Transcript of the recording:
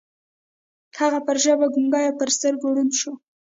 هغه پر ژبه ګونګۍ او پر سترګو ړنده شوه.